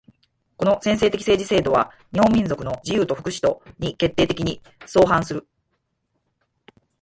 この専制的政治制度は日本民族の自由と福祉とに決定的に相反する。